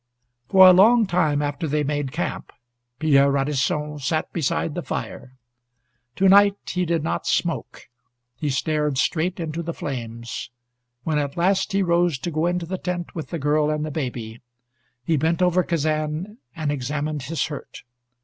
For a long time after they made camp Pierre Radisson sat beside the fire. To night he did not smoke. He stared straight into the flames. When at last he rose to go into the tent with the girl and the baby, he bent over Kazan and examined his hurt.